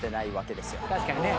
確かにね。